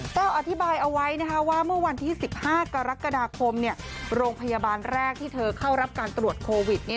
อธิบายเอาไว้ว่าเมื่อวันที่๑๕กรกฎาคมโรงพยาบาลแรกที่เธอเข้ารับการตรวจโควิด